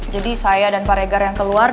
jadi saya dan paregar yang keluar